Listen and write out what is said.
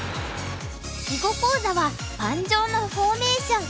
囲碁講座は「盤上のフォーメーション」。